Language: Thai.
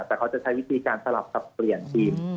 แต่เขาจะใช้วิธีการสลับสับเปลี่ยนทีม